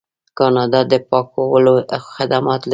کاناډا د پاکولو خدمات لري.